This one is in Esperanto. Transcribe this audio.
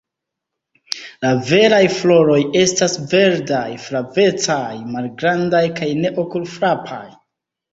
La veraj floroj estas verdaj-flavecaj, malgrandaj kaj ne okulfrapaj.